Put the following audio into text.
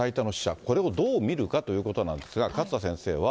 これをどう見るかということなんですが、勝田先生は。